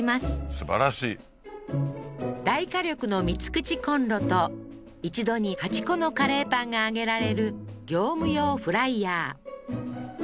すばらしい大火力の３つ口コンロと一度に８個のカレーパンが揚げられる業務用フライヤー